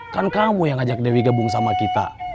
kan kamu yang ngajak dewi gabung sama kita